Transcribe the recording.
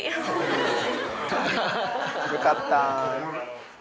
よかった！